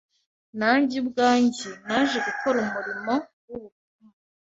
nanjye ubwanjye naje gukora umurimo w’ubupfumu